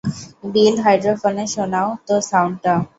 বিল, হাইড্রোফোনে শোনাও তো সাউন্ডটা।